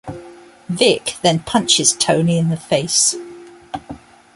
Vic then punches Tony in the face.